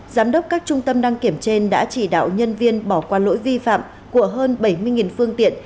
giám đốc các trung tâm đăng kiểm trên đã chỉ đạo nhân viên bỏ qua lỗi vi phạm của hơn bảy mươi phương tiện